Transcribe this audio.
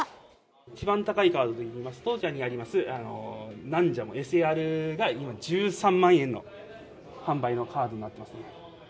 一番高いカードでいいますと、こちらにあります、ナンジャモが今、１３万円の販売のカードになってますね。